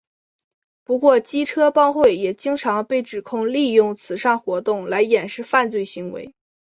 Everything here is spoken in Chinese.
不过机车帮会也经常被指控利用慈善活动来掩饰犯罪行为。